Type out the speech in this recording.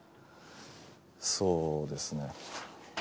そうですね。